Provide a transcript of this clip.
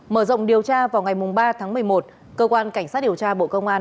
mở rộng điều tra vào ngày ba tháng một mươi một cơ quan cảnh sát điều tra bộ công an